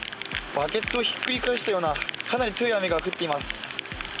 バケツをひっくり返したような、かなり強い雨が降っています。